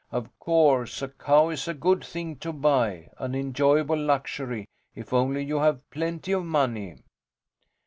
Of course, a cow is a good thing to buy, an enjoyable luxury, if only you have plenty of money.